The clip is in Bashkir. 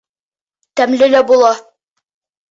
Тәмле лә була